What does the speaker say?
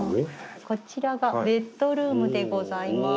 こちらがベッドルームでございます。